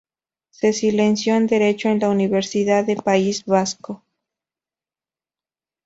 Se licenció en Derecho en la Universidad del País Vasco.